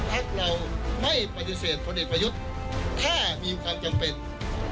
พักเราไม่ปฏิเสธพลเอกประยุทธ์ถ้ามีความจำเป็น